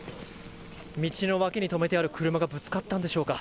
道の脇に止めてある車がぶつかったんでしょうか。